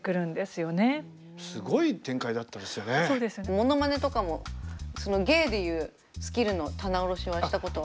モノマネとかも芸でいうスキルの棚卸しはしたことは？